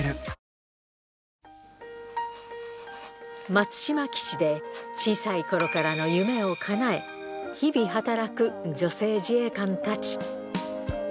松島基地で小さい頃からの夢を叶え日々働く女性自衛官たち